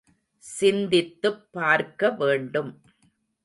சிந்தித்துப் பார்க்க வேண்டும்.